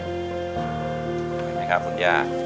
ใช่ไหมครับคุณย่า